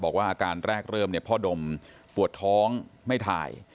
อาการแรกเริ่มพ่อดมปวดท้องไม่ถ่าย